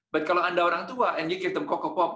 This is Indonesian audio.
tapi kalau anda orang tua dan anda berikan mereka coco pop